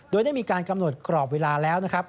โดยได้มีการกำหนดกรอบเวลาแล้วนะครับ